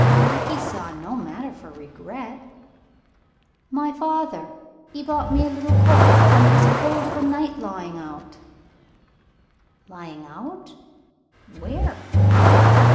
Dickie saw no matter for regret. "My father 'e bought me a little coat for when it was cold of a night lying out." "Lying out? Where?"